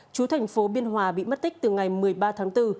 chú thành phố biên hòa bị mất tích từ ngày một mươi ba tháng bốn